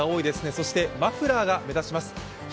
そしてマフラーが目立ちます。